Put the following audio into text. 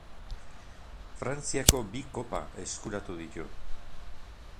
Frantziako bi kopa eskuratu ditu.